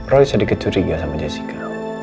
roy sedikit curiga sama jessica